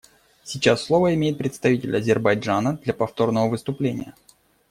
Сейчас слово имеет представитель Азербайджана для повторного выступления.